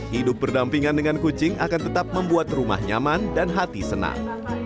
hidup berdampingan dengan kucing akan tetap membuat rumah nyaman dan hati senang